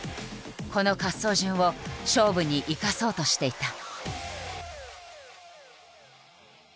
この滑走順を勝負に生かそうとしていた。